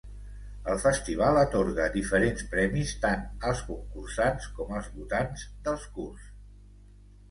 El festival atorga diferents premis tant als concursants com als votants dels curts.